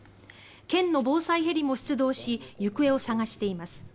県の防災ヘリも出動し行方を捜しています。